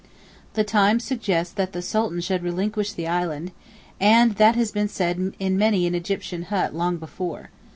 The Times suggests that the Sultan should relinquish the island, and that has been said in many an Egyptian hut long before.